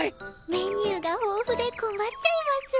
メニューが豊富で困っちゃいます。